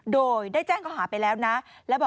โดยได้แจ้งเขาหาไปแล้วนะ